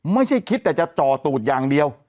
ไม่ใช่คิดแต่จะจ่อตูดอย่างเดียว